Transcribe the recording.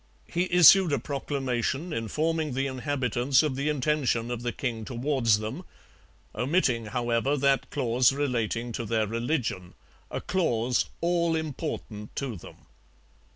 He issued a proclamation informing the inhabitants of the intention of the king towards them; omitting, however, that clause relating to their religion, a clause all important to them.